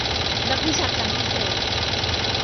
นักวิชาการพิเศษ